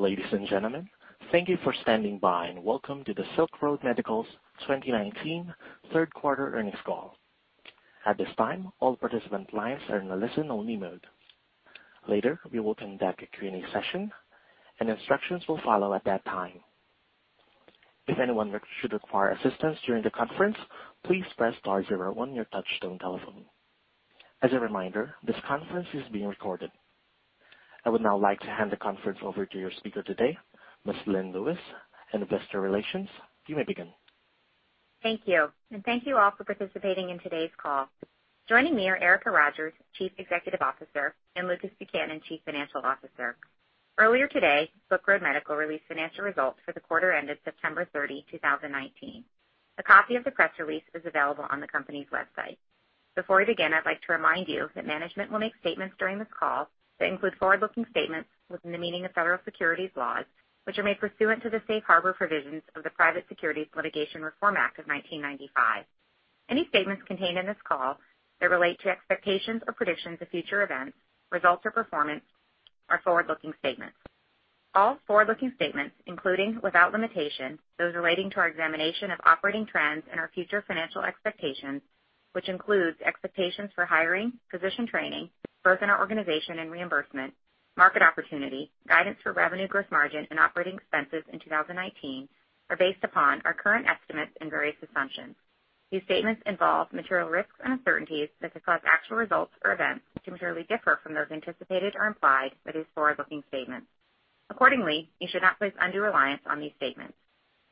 Ladies and gentlemen, thank you for standing by and welcome to the Silk Road Medical's 2019 third-quarter earnings call. At this time, all participant lines are in a listen-only mode. Later, we will conduct a Q&A session, and instructions will follow at that time. If anyone should require assistance during the conference, please press star zero one on your touchstone telephone. As a reminder, this conference is being recorded. I would now like to hand the conference over to your speaker today, Ms. Lynn Lewis, and investor relations. You may begin. Thank you, and thank you all for participating in today's call. Joining me are Erica Rogers, Chief Executive Officer, and Lucas Buchanan, Chief Financial Officer. Earlier today, Silk Road Medical released financial results for the quarter ended September 30, 2019. A copy of the press release is available on the company's website. Before we begin, I'd like to remind you that management will make statements during this call that include forward-looking statements within the meaning of federal securities laws, which are made pursuant to the safe harbor provisions of the Private Securities Litigation Reform Act of 1995. Any statements contained in this call that relate to expectations or predictions of future events, results, or performance are forward-looking statements. All forward-looking statements, including without limitation, those relating to our examination of operating trends and our future financial expectations, which includes expectations for hiring, position training, growth in our organization and reimbursement, market opportunity, guidance for revenue, gross margin, and operating expenses in 2019, are based upon our current estimates and various assumptions. These statements involve material risks and uncertainties that could cause actual results or events to materially differ from those anticipated or implied by these forward-looking statements. Accordingly, you should not place undue reliance on these statements.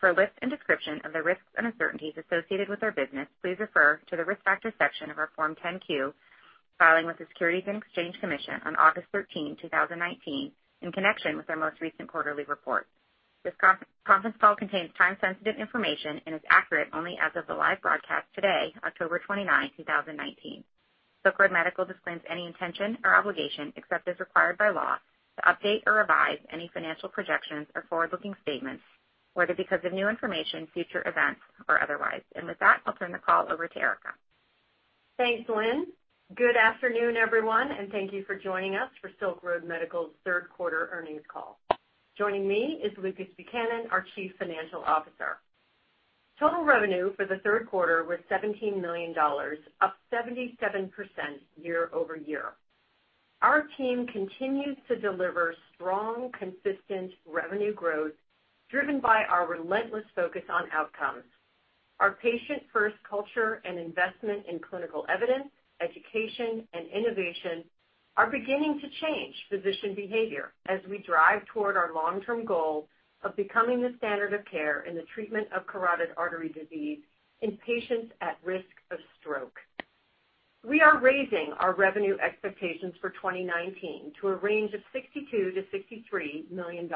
For a list and description of the risks and uncertainties associated with our business, please refer to the risk factor section of our Form 10-Q filing with the Securities and Exchange Commission on August 13, 2019, in connection with our most recent quarterly report. This conference call contains time-sensitive information and is accurate only as of the live broadcast today, October 29, 2019. Silk Road Medical disclaims any intention or obligation, except as required by law, to update or revise any financial projections or forward-looking statements, whether because of new information, future events, or otherwise. With that, I'll turn the call over to Erica. Thanks, Lynn. Good afternoon, everyone, and thank you for joining us for Silk Road Medical's third-quarter earnings call. Joining me is Lucas Buchanan, our Chief Financial Officer. Total revenue for the third quarter was $17 million, up 77% year-over-year. Our team continues to deliver strong, consistent revenue growth driven by our relentless focus on outcomes. Our patient-first culture and investment in clinical evidence, education, and innovation are beginning to change physician behavior as we drive toward our long-term goal of becoming the standard of care in the treatment of carotid artery disease in patients at risk of stroke. We are raising our revenue expectations for 2019 to a range of $62 million-$63 million,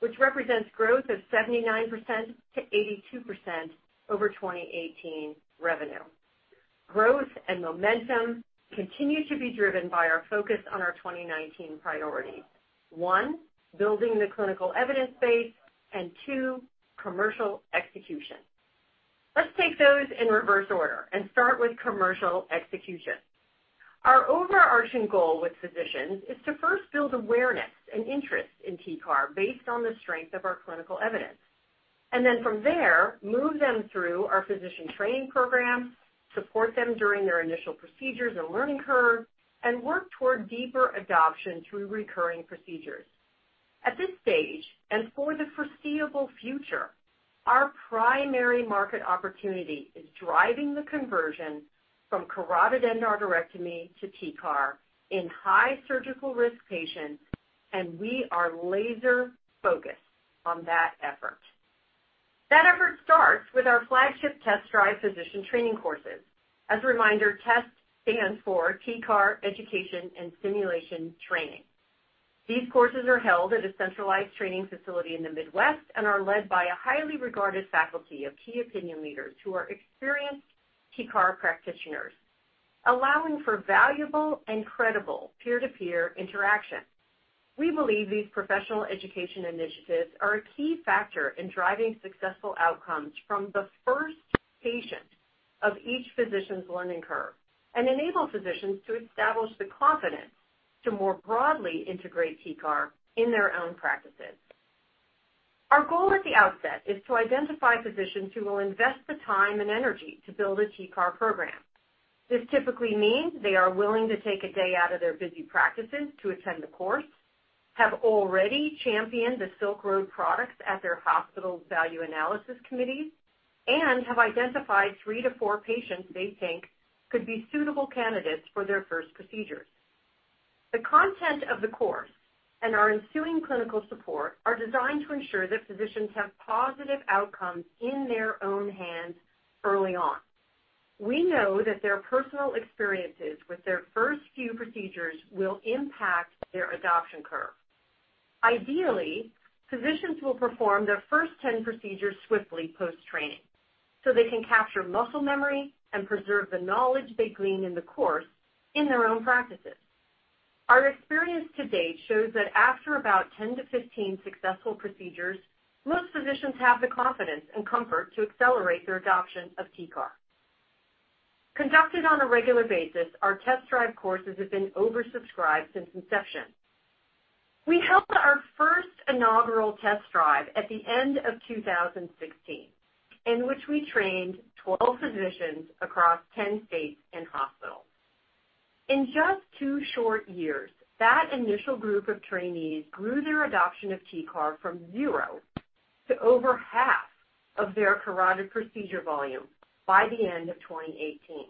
which represents growth of 79%-82% over 2018 revenue. Growth and momentum continue to be driven by our focus on our 2019 priorities: one, building the clinical evidence base, and two, commercial execution. Let's take those in reverse order and start with commercial execution. Our overarching goal with physicians is to first build awareness and interest in TCAR based on the strength of our clinical evidence, and then from there, move them through our physician training program, support them during their initial procedures and learning curve, and work toward deeper adoption through recurring procedures. At this stage, and for the foreseeable future, our primary market opportunity is driving the conversion from carotid endarterectomy to TCAR in high-surgical risk patients, and we are laser-focused on that effort. That effort starts with our flagship test-drive physician training courses. As a reminder, test stands for TCAR, education, and simulation training. These courses are held at a centralized training facility in the Midwest and are led by a highly regarded faculty of key opinion leaders who are experienced TCAR practitioners, allowing for valuable and credible peer-to-peer interaction. We believe these professional education initiatives are a key factor in driving successful outcomes from the first patient of each physician's learning curve and enable physicians to establish the confidence to more broadly integrate TCAR in their own practices. Our goal at the outset is to identify physicians who will invest the time and energy to build a TCAR program. This typically means they are willing to take a day out of their busy practices to attend the course, have already championed the Silk Road products at their hospital value analysis committees, and have identified three to four patients they think could be suitable candidates for their first procedures. The content of the course and our ensuing clinical support are designed to ensure that physicians have positive outcomes in their own hands early on. We know that their personal experiences with their first few procedures will impact their adoption curve. Ideally, physicians will perform their first 10 procedures swiftly post-training so they can capture muscle memory and preserve the knowledge they glean in the course in their own practices. Our experience to date shows that after about 10-15 successful procedures, most physicians have the confidence and comfort to accelerate their adoption of TCAR. Conducted on a regular basis, our test-drive courses have been oversubscribed since inception. We held our first inaugural test drive at the end of 2016, in which we trained 12 physicians across 10 states and hospitals. In just two short years, that initial group of trainees grew their adoption of TCAR from zero to over half of their carotid procedure volume by the end of 2018.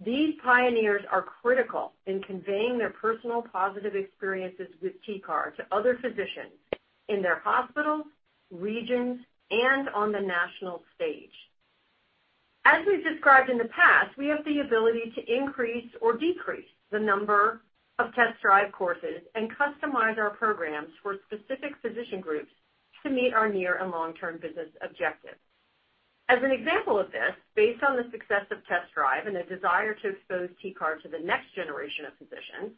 These pioneers are critical in conveying their personal positive experiences with TCAR to other physicians in their hospitals, regions, and on the national stage. As we've described in the past, we have the ability to increase or decrease the number of test-drive courses and customize our programs for specific physician groups to meet our near and long-term business objectives. As an example of this, based on the success of test drive and a desire to expose TCAR to the next generation of physicians,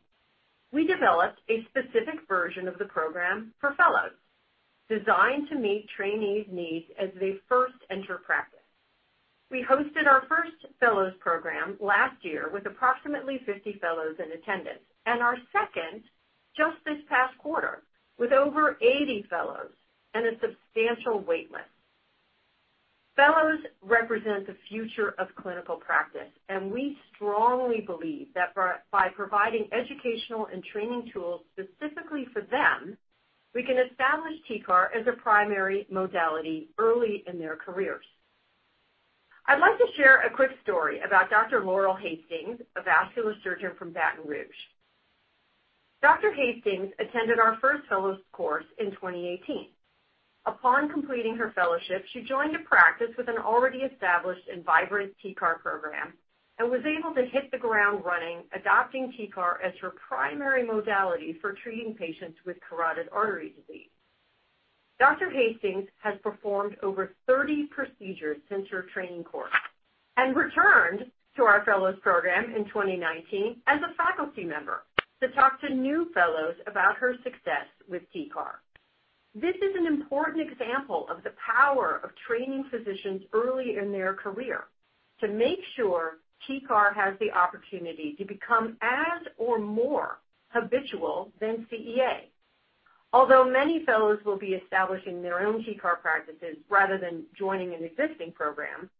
we developed a specific version of the program for fellows designed to meet trainees' needs as they first enter practice. We hosted our first fellows program last year with approximately 50 fellows in attendance, and our second just this past quarter with over 80 fellows and a substantial waitlist. Fellows represent the future of clinical practice, and we strongly believe that by providing educational and training tools specifically for them, we can establish TCAR as a primary modality early in their careers. I'd like to share a quick story about Dr. Laurel Hastings, a vascular surgeon from Baton Rouge. Dr. Hastings attended our first fellows course in 2018. Upon completing her fellowship, she joined a practice with an already established and vibrant TCAR program and was able to hit the ground running, adopting TCAR as her primary modality for treating patients with carotid artery disease. Dr. Hastings has performed over 30 procedures since her training course and returned to our fellows program in 2019 as a faculty member to talk to new fellows about her success with TCAR. This is an important example of the power of training physicians early in their career to make sure TCAR has the opportunity to become as or more habitual than CEA. Although many fellows will be establishing their own TCAR practices rather than joining an existing program,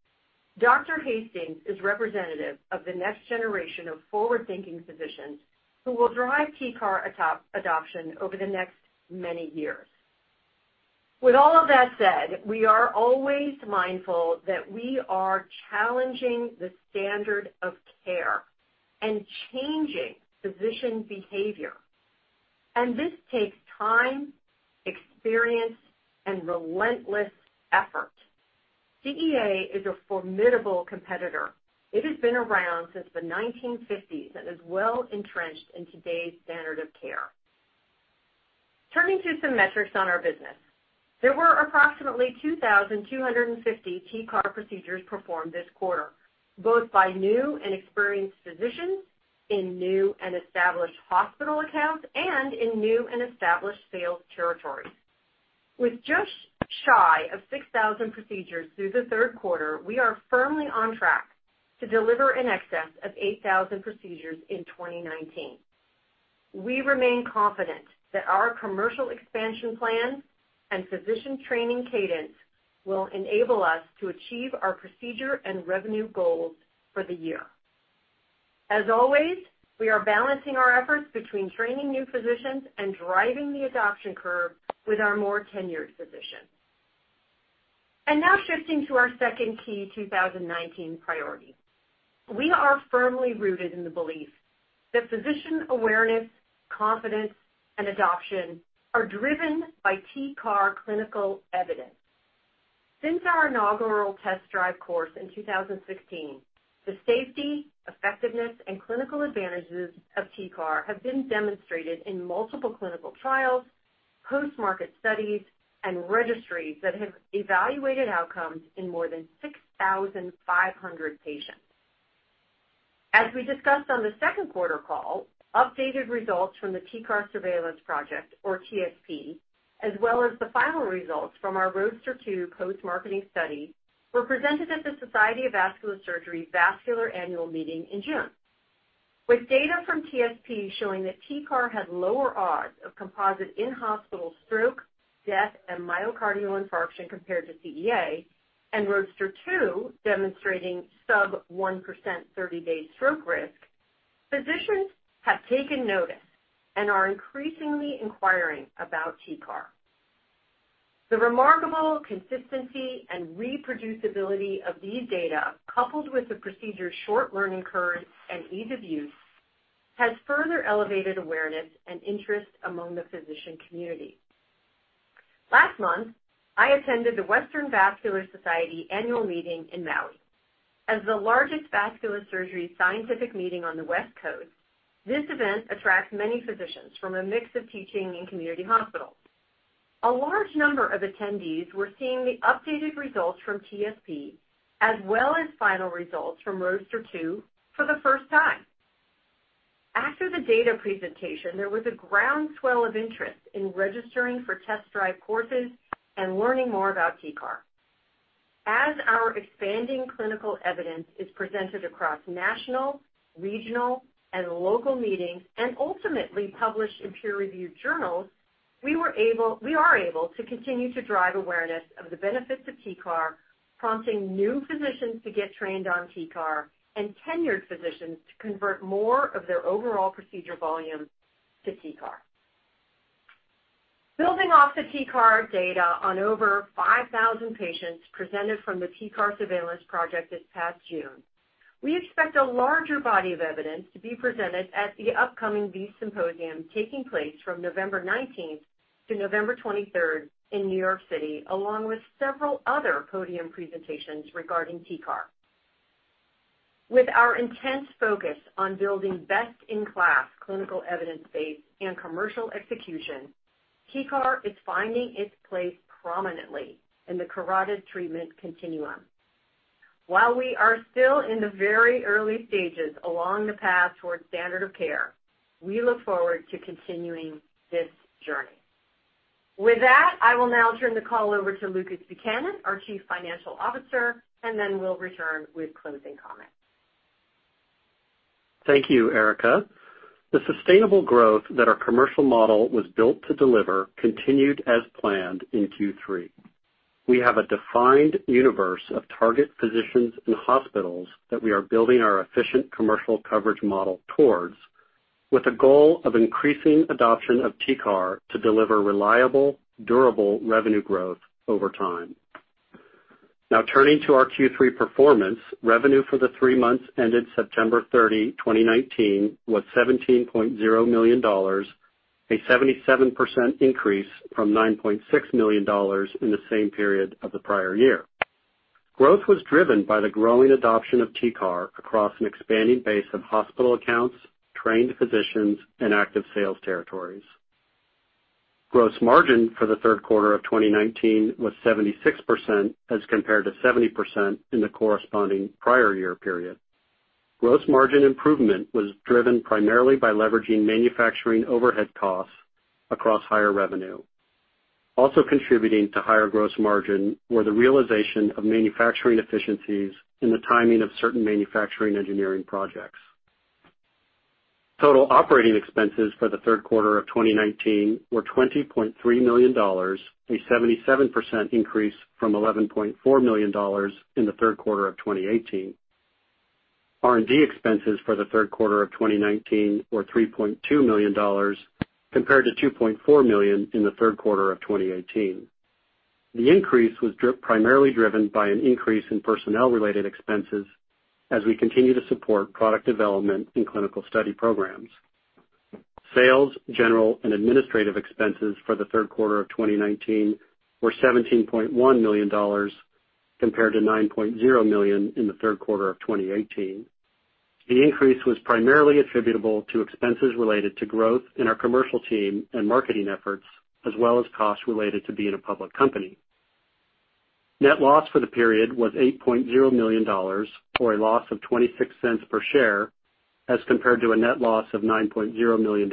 Dr. Hastings is representative of the next generation of forward-thinking physicians who will drive TCAR adoption over the next many years. With all of that said, we are always mindful that we are challenging the standard of care and changing physician behavior, and this takes time, experience, and relentless effort. CEA is a formidable competitor. It has been around since the 1950s and is well entrenched in today's standard of care. Turning to some metrics on our business, there were approximately 2,250 TCAR procedures performed this quarter, both by new and experienced physicians in new and established hospital accounts and in new and established sales territories. With just shy of 6,000 procedures through the third quarter, we are firmly on track to deliver in excess of 8,000 procedures in 2019. We remain confident that our commercial expansion plans and physician training cadence will enable us to achieve our procedure and revenue goals for the year. As always, we are balancing our efforts between training new physicians and driving the adoption curve with our more tenured physicians. Now shifting to our second key 2019 priority, we are firmly rooted in the belief that physician awareness, confidence, and adoption are driven by TCAR clinical evidence. Since our inaugural test-drive course in 2016, the safety, effectiveness, and clinical advantages of TCAR have been demonstrated in multiple clinical trials, post-market studies, and registries that have evaluated outcomes in more than 6,500 patients. As we discussed on the second quarter call, updated results from the TCAR Surveillance Project, or TSP, as well as the final results from our Roadster II post-marketing study, were presented at the Society of Vascular Surgery vascular annual meeting in June, with data from TSP showing that TCAR had lower odds of composite in-hospital stroke, death, and myocardial infarction compared to CEA, and Roadster II demonstrating sub-1% 30-day stroke risk. Physicians have taken notice and are increasingly inquiring about TCAR. The remarkable consistency and reproducibility of these data, coupled with the procedure's short learning curve and ease of use, has further elevated awareness and interest among the physician community. Last month, I attended the Western Vascular Society annual meeting in Maui. As the largest vascular surgery scientific meeting on the West Coast, this event attracts many physicians from a mix of teaching and community hospitals. A large number of attendees were seeing the updated results from TSP, as well as final results from Roadster II, for the first time. After the data presentation, there was a groundswell of interest in registering for test-drive courses and learning more about TCAR. As our expanding clinical evidence is presented across national, regional, and local meetings, and ultimately published in peer-reviewed journals, we are able to continue to drive awareness of the benefits of TCAR, prompting new physicians to get trained on TCAR and tenured physicians to convert more of their overall procedure volume to TCAR. Building off the TCAR data on over 5,000 patients presented from the TCAR Surveillance Project this past June, we expect a larger body of evidence to be presented at the upcoming VEITH Symposium taking place from November 19th to November 23rd in New York City, along with several other podium presentations regarding TCAR. With our intense focus on building best-in-class clinical evidence base and commercial execution, TCAR is finding its place prominently in the carotid treatment continuum. While we are still in the very early stages along the path toward standard of care, we look forward to continuing this journey. With that, I will now turn the call over to Lucas Buchanan, our Chief Financial Officer, and then we'll return with closing comments. Thank you, Erica. The sustainable growth that our commercial model was built to deliver continued as planned in Q3. We have a defined universe of target physicians and hospitals that we are building our efficient commercial coverage model towards, with a goal of increasing adoption of TCAR to deliver reliable, durable revenue growth over time. Now, turning to our Q3 performance, revenue for the three months ended September 30, 2019, was $17.0 million, a 77% increase from $9.6 million in the same period of the prior year. Growth was driven by the growing adoption of TCAR across an expanding base of hospital accounts, trained physicians, and active sales territories. Gross margin for the third quarter of 2019 was 76% as compared to 70% in the corresponding prior year period. Gross margin improvement was driven primarily by leveraging manufacturing overhead costs across higher revenue. Also contributing to higher gross margin were the realization of manufacturing efficiencies in the timing of certain manufacturing engineering projects. Total operating expenses for the third quarter of 2019 were $20.3 million, a 77% increase from $11.4 million in the third quarter of 2018. R&D expenses for the third quarter of 2019 were $3.2 million compared to $2.4 million in the third quarter of 2018. The increase was primarily driven by an increase in personnel-related expenses as we continue to support product development and clinical study programs. Sales, general, and administrative expenses for the third quarter of 2019 were $17.1 million compared to $9.0 million in the third quarter of 2018. The increase was primarily attributable to expenses related to growth in our commercial team and marketing efforts, as well as costs related to being a public company. Net loss for the period was $8.0 million for a loss of $0.26 per share as compared to a net loss of $9.0 million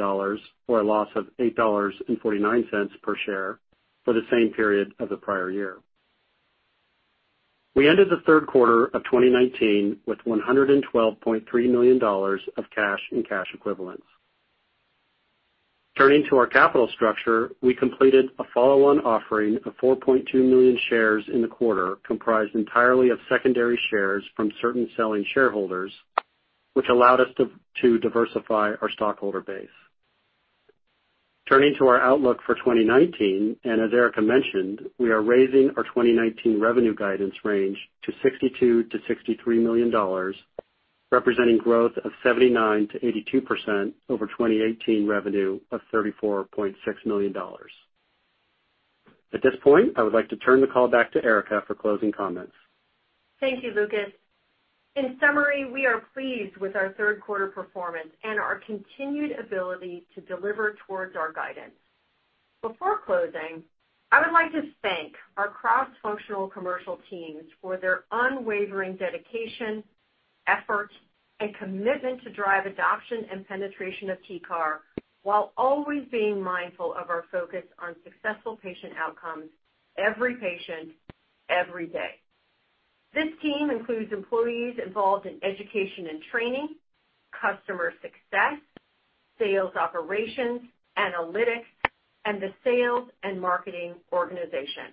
for a loss of $8.49 per share for the same period of the prior year. We ended the third quarter of 2019 with $112.3 million of cash and cash equivalents. Turning to our capital structure, we completed a follow-on offering of 4.2 million shares in the quarter comprised entirely of secondary shares from certain selling shareholders, which allowed us to diversify our stockholder base. Turning to our outlook for 2019, and as Erica mentioned, we are raising our 2019 revenue guidance range to $62 million-$63 million, representing growth of 79%-82% over 2018 revenue of $34.6 million. At this point, I would like to turn the call back to Erica for closing comments. Thank you, Lucas. In summary, we are pleased with our third quarter performance and our continued ability to deliver towards our guidance. Before closing, I would like to thank our cross-functional commercial teams for their unwavering dedication, effort, and commitment to drive adoption and penetration of TCAR while always being mindful of our focus on successful patient outcomes every patient, every day. This team includes employees involved in education and training, customer success, sales operations, analytics, and the sales and marketing organization.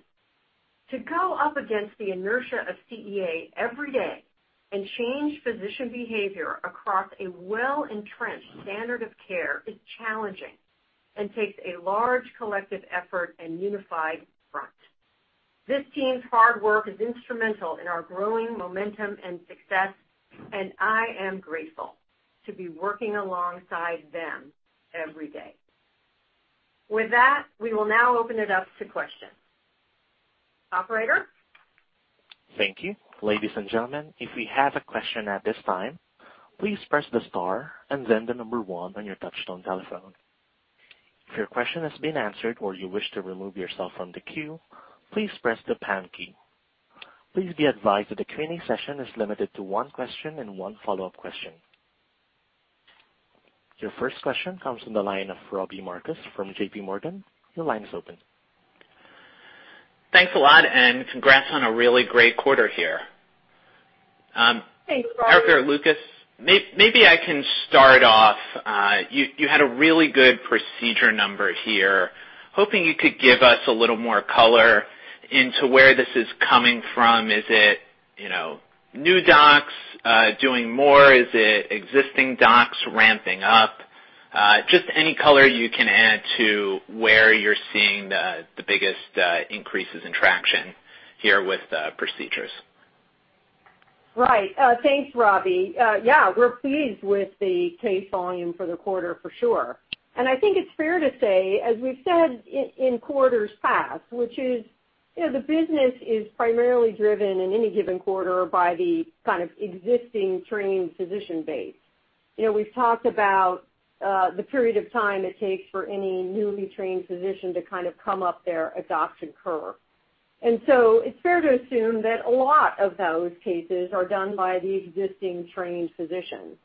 To go up against the inertia of CEA every day and change physician behavior across a well-entrenched standard of care is challenging and takes a large collective effort and unified front. This team's hard work is instrumental in our growing momentum and success, and I am grateful to be working alongside them every day. With that, we will now open it up to questions. Operator? Thank you. Ladies and gentlemen, if we have a question at this time, please press the star and then the number one on your touchstone telephone. If your question has been answered or you wish to remove yourself from the queue, please press the pound key. Please be advised that the Q&A session is limited to one question and one follow-up question. Your first question comes from the line of Robbie Marcus from JPMorgan. Your line is open. Thanks a lot, and congrats on a really great quarter here. Thanks, Robbie. Erica or Lucas, maybe I can start off. You had a really good procedure number here. Hoping you could give us a little more color into where this is coming from. Is it new docs doing more? Is it existing docs ramping up? Just any color you can add to where you're seeing the biggest increases in traction here with procedures. Right. Thanks, Robbie. Yeah, we're pleased with the case volume for the quarter, for sure. I think it's fair to say, as we've said in quarters past, which is the business is primarily driven in any given quarter by the kind of existing trained physician base. We've talked about the period of time it takes for any newly trained physician to kind of come up their adoption curve. And so it's fair to assume that a lot of those cases are done by the existing trained physicians.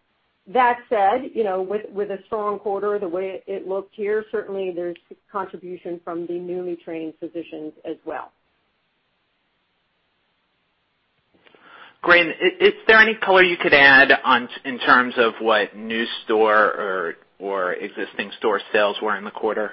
That said, with a strong quarter the way it looked here, certainly there's contribution from the newly trained physicians as well. Great. Is there any color you could add in terms of what new store or existing store sales were in the quarter?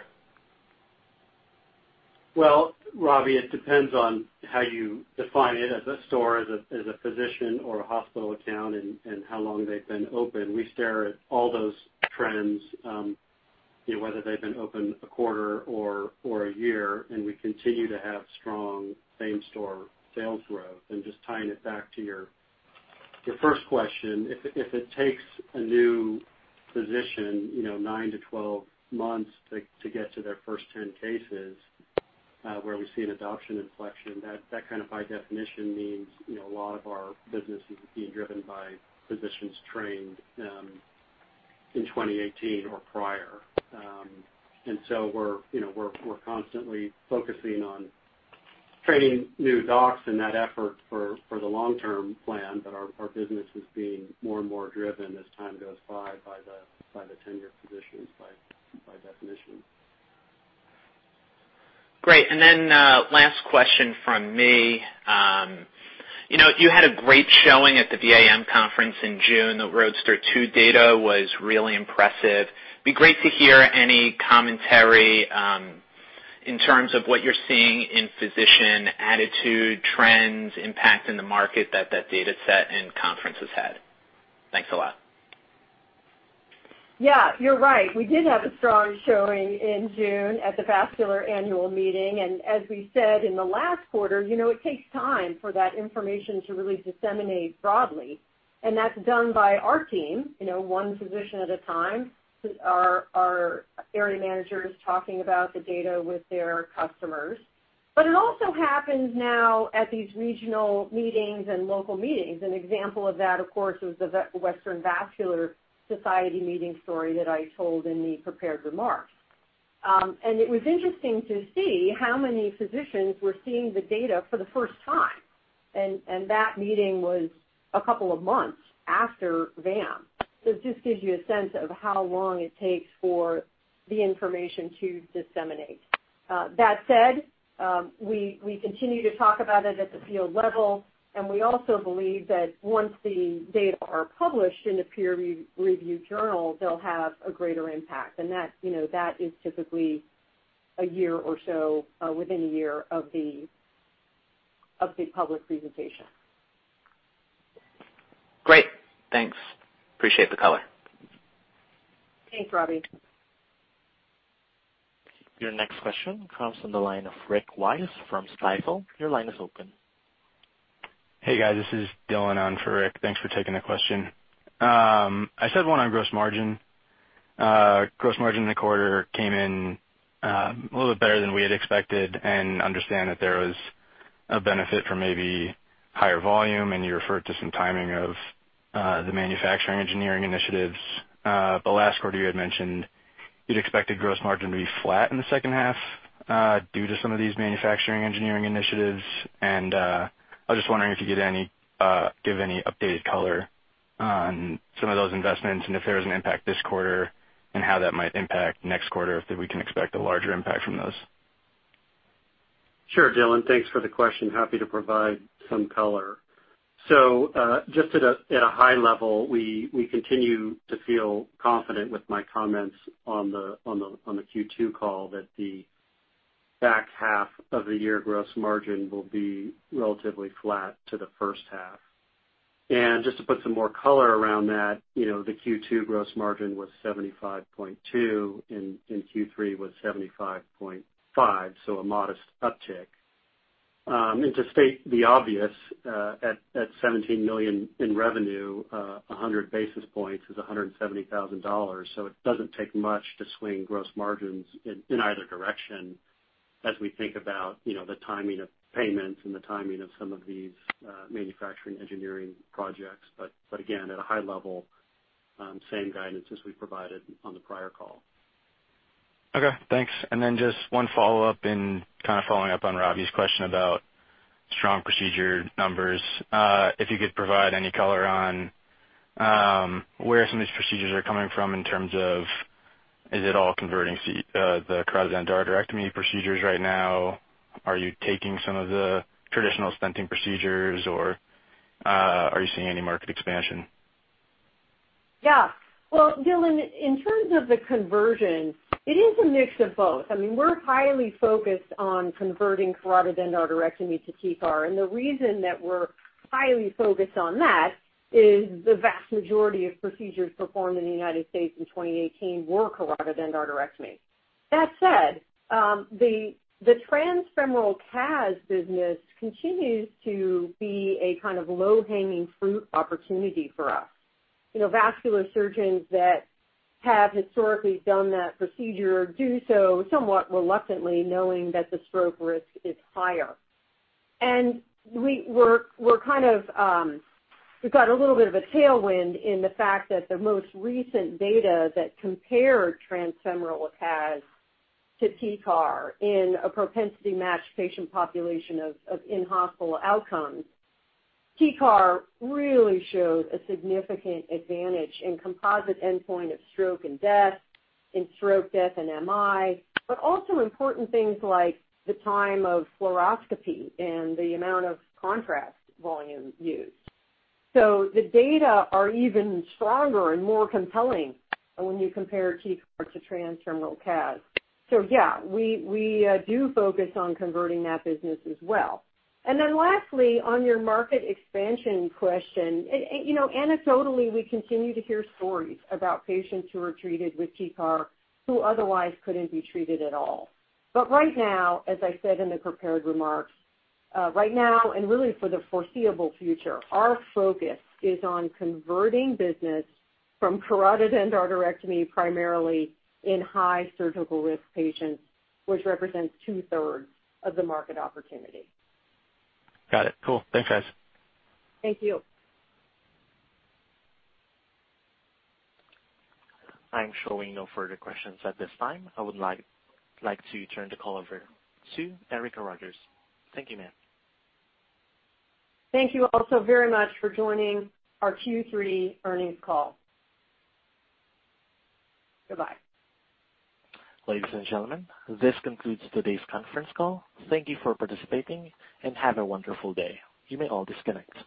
Robbie, it depends on how you define it as a store, as a physician or a hospital account, and how long they've been open. We stare at all those trends, whether they've been open a quarter or a year, and we continue to have strong same-store sales growth. Just tying it back to your first question, if it takes a new physician nine to 12 months to get to their first 10 cases where we see an adoption inflection, that kind of by definition means a lot of our business is being driven by physicians trained in 2018 or prior. We are constantly focusing on training new docs in that effort for the long-term plan, but our business is being more and more driven as time goes by by the tenured physicians by definition. Great. Last question from me. You had a great showing at the BAM Conference in June. The Roadster II data was really impressive. It would be great to hear any commentary in terms of what you are seeing in physician attitude, trends, impact in the market that that data set and conference has had. Thanks a lot. Yeah, you are right. We did have a strong showing in June at the vascular annual meeting. As we said in the last quarter, it takes time for that information to really disseminate broadly. That is done by our team, one physician at a time, our area managers talking about the data with their customers. It also happens now at these regional meetings and local meetings. An example of that, of course, was the Western Vascular Society meeting story that I told in the prepared remarks. It was interesting to see how many physicians were seeing the data for the first time. That meeting was a couple of months after VAM. It just gives you a sense of how long it takes for the information to disseminate. That said, we continue to talk about it at the field level, and we also believe that once the data are published in the peer-reviewed journal, they'll have a greater impact. That is typically a year or so within a year of the public presentation. Great. Thanks. Appreciate the color. Thanks, Robbie. Your next question comes from the line of Rick Weiss from Stifel. Your line is open. Hey, guys. This is Dylan on for Rick. Thanks for taking the question. I had one on gross margin. Gross margin in the quarter came in a little bit better than we had expected and understand that there was a benefit for maybe higher volume, and you referred to some timing of the manufacturing engineering initiatives. Last quarter, you had mentioned you'd expected gross margin to be flat in the second half due to some of these manufacturing engineering initiatives. I was just wondering if you could give any updated color on some of those investments and if there was an impact this quarter and how that might impact next quarter if we can expect a larger impact from those. Sure, Dylan. Thanks for the question. Happy to provide some color. Just at a high level, we continue to feel confident with my comments on the Q2 call that the back half of the year gross margin will be relatively flat to the first half. Just to put some more color around that, the Q2 gross margin was 75.2% and Q3 was 75.5%, so a modest uptick. To state the obvious, at $17 million in revenue, 100 basis points is $170,000. It does not take much to swing gross margins in either direction as we think about the timing of payments and the timing of some of these manufacturing engineering projects. Again, at a high level, same guidance as we provided on the prior call. Okay. Thanks. One follow-up in kind of following up on Robbie's question about strong procedure numbers. If you could provide any color on where some of these procedures are coming from in terms of is it all converting to the carotid endarterectomy procedures right now? Are you taking some of the traditional stenting procedures, or are you seeing any market expansion? Yeah. Dylan, in terms of the conversion, it is a mix of both. I mean, we are highly focused on converting carotid endarterectomy to TCAR. The reason that we're highly focused on that is the vast majority of procedures performed in the United States in 2018 were carotid endarterectomy. That said, the transfemoral CAS business continues to be a kind of low-hanging fruit opportunity for us. Vascular surgeons that have historically done that procedure do so somewhat reluctantly, knowing that the stroke risk is higher. We're kind of we've got a little bit of a tailwind in the fact that the most recent data that compared transfemoral CAS to TCAR in a propensity-matched patient population of in-hospital outcomes, TCAR really showed a significant advantage in composite endpoint of stroke and death, in stroke, death, and MI, but also important things like the time of fluoroscopy and the amount of contrast volume used. The data are even stronger and more compelling when you compare TCAR to Transfemoral CAS. Yeah, we do focus on converting that business as well. Lastly, on your market expansion question, anecdotally, we continue to hear stories about patients who are treated with TCAR who otherwise could not be treated at all. Right now, as I said in the prepared remarks, right now and really for the foreseeable future, our focus is on converting business from carotid endarterectomy primarily in high-surgical risk patients, which represents two-thirds of the market opportunity. Got it. Cool. Thanks, guys. Thank you. I am showing no further questions at this time. I would like to turn the call over to Erica Rogers. Thank you, ma'am. Thank you also very much for joining our Q3 earnings call. Goodbye. Ladies and gentlemen, this concludes today's conference call. Thank you for participating and have a wonderful day. You may all disconnect.